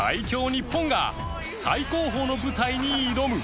日本が最高峰の舞台に挑む